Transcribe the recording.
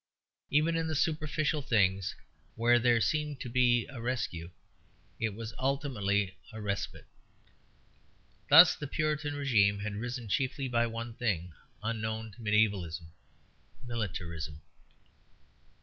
Even in the superficial things where there seemed to be a rescue it was ultimately a respite. Thus the Puritan régime had risen chiefly by one thing unknown to mediævalism militarism.